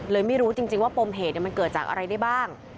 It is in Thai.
ไม่รู้จริงว่าปมเหตุมันเกิดจากอะไรได้บ้าง